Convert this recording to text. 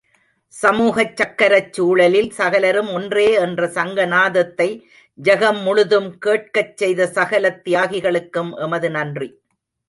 சமூகச் சக்கரச்சுழலில் சகலரும் ஒன்றே என்ற சங்கநாதத்தை, ஜெகமுழுதும் கேட்கச் செய்த சகலத் தியாகிகளுக்கும் எமது நன்றி.